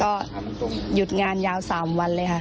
ก็หยุดงานยาว๓วันเลยค่ะ